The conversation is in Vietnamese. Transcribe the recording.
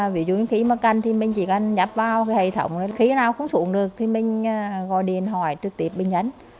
ví dụ như khí mà canh thì mình chỉ cần nhập vào hệ thống khí nào cũng xuống được thì mình gọi điện thoại trực tiếp bên nhánh